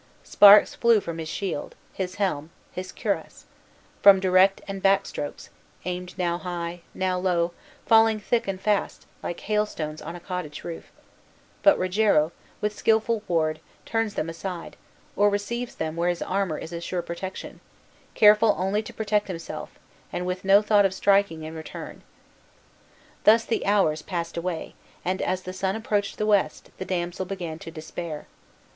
Sparks flew from his shield, his helm, his cuirass; from direct and back strokes, aimed now high, now low, falling thick and fast, like hailstones on a cottage roof; but Rogero, with skilful ward, turns them aside, or receives them where his armor is a sure protection, careful only to protect himself, and with no thought of striking in return. Thus the hours passed away, and, as the sun approached the west, the damsel began to despair.